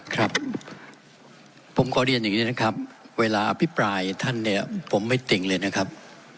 ครับผมขอเรียนอย่างนี้นะครับเวลาอภิปรายท่านเนี่ยผมไม่ติ่งเลยนะครับ